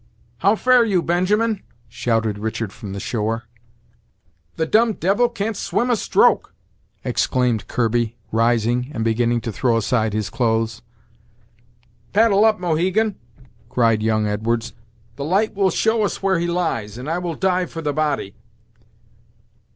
"How fare you, Benjamin?" shouted Richard from the shore. "The dumb devil can't swim a stroke!" exclaimed Kirby, rising, and beginning to throw aside his clothes. "Paddle up, Mohegan," cried young Edwards, "the light will show us where he lies, and I will dive for the body."